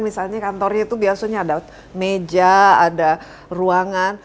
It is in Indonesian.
misalnya kantornya itu biasanya ada meja ada ruangan